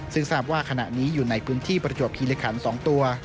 ซึ่งทราบว่าขณะนี้อยู่ในพื้นที่ประจวบคิริขัน๒ตัว